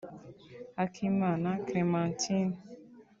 Akimana Clémentine